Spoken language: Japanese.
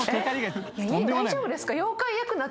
大丈夫ですか？